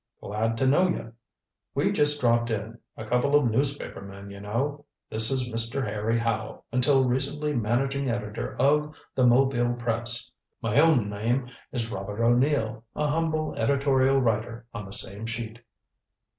"Glad to know you. We just dropped in a couple of newspaper men, you know. This is Mr. Harry Howe, until recently managing editor of the Mobile Press. My own name is Robert O'Neill a humble editorial writer on the same sheet."